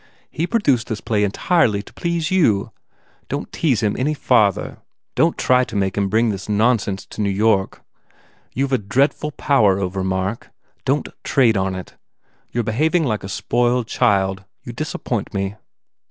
He produced this play entirely to please you. Don t tease him any farther. Don t try to make him bring this nonsense to New York. You ve a dreadful power over Mark. Don t trade on it! You re behaving like a spoiled child. You dis appoint me